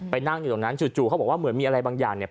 นั่งอยู่ตรงนั้นจู่เขาบอกว่าเหมือนมีอะไรบางอย่างเนี่ย